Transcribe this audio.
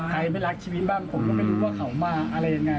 ใครไม่รักชีวิตบ้างผมก็ไม่รู้ว่าเขามาอะไรยังไง